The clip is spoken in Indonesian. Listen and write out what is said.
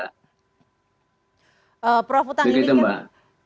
tentu gitu mbak